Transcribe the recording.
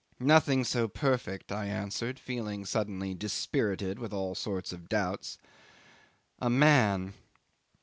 '"Nothing so perfect," I answered, feeling suddenly dispirited with all sorts of doubts. "A man!"